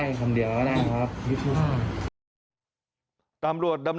พวกเขาคุยกันยังไงันตอนนั้น